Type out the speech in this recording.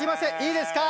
いいですか？